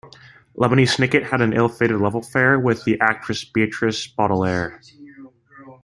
Lemony Snicket had an ill-fated love affair with the actress Beatrice Baudelaire.